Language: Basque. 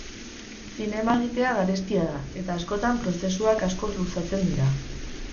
Zinema egitea garestia da, eta askotan prozesuak asko luzatzen dira.